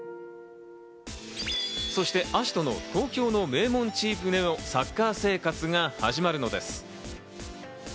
そして葦人の東京の名門チームでのサッカー生活が始まるのです。